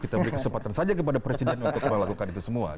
kita beri kesempatan saja kepada presiden untuk melakukan itu semua